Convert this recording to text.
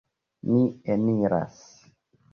Ni eniras.